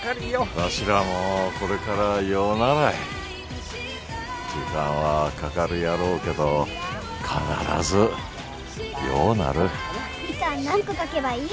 わしらもこれからようならい時間はかかるやろうけど必ずようなる・みかん何個描けばいい？